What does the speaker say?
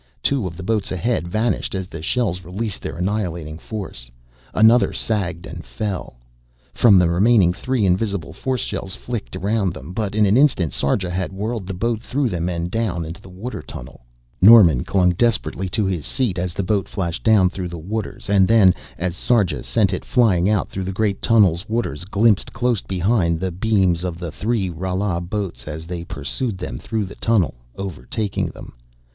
Two of the boats ahead vanished as the shells released their annihilating force, another sagged and fell. From the remaining three invisible force shells flicked around them, but in an instant Sarja had whirled the boat through them and down into the water tunnel! Norman clung desperately to his seat as the boat flashed down through the waters, and then, as Sarja sent it flying out through the great tunnel's waters, glimpsed, close behind, the beams of the three Rala boats as they pursued them through the tunnel, overtaking them.